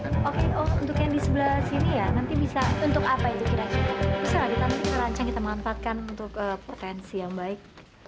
kita lanceng kita mengempatkan untuk potensi yang baik